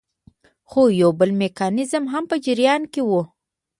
خو یو بل میکانیزم هم په جریان کې وو.